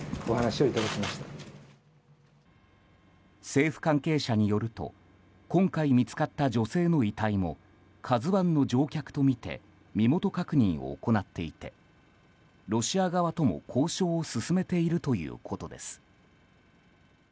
政府関係者によると今回見つかった女性の遺体も「ＫＡＺＵ１」の乗客とみて身元確認を行っていてロシア側とも交渉を進めているということです。